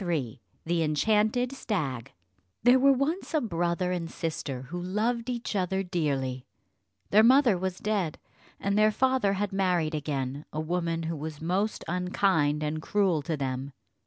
CHAPTER III THE ENCHANTED STAG There were once a brother and sister who loved each other dearly; their mother was dead, and their father had married again a woman who was most unkind and cruel to them.